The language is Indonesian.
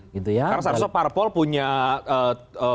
karena seharusnya parpol punya tanggung jawab begitu